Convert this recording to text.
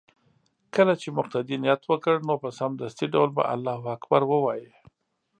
كله چې مقتدي نيت وكړ نو په سمدستي ډول به الله اكبر ووايي